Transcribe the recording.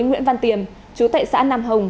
nguyễn văn tiềm chú tệ xã nam hồng